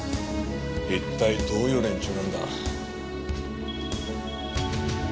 一体どういう連中なんだ。